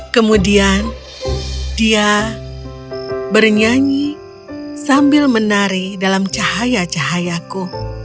kemudian dia bernyanyi sambil menari dalam cahaya cahayaku